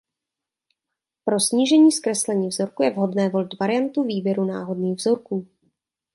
Pro snížení zkreslení vzorku je vhodné volit variantu výběru náhodných vzorků.